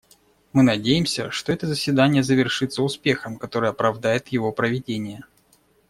Мы надеемся, что это заседание завершится успехом, который оправдает его проведение.